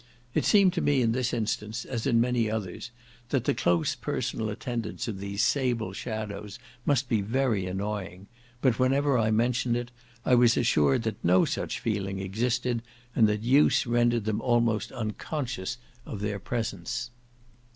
It seemed to me in this instance, as in many others, that the close personal attendance of these sable shadows, must be very annoying; but whenever I mentioned it, I was assured that no such feeling existed, and that use rendered them almost unconscious of their presence.